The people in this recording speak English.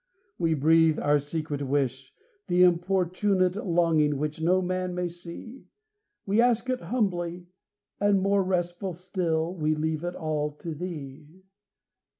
We breathe our secret wish, The importunate longing which no man may see; We ask it humbly, or, more restful still, We leave it all to Thee.